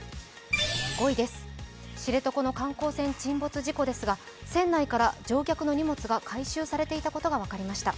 ５位です、知床の観光船沈没事故ですが船内から乗客の荷物が回収されていたことが分かりました。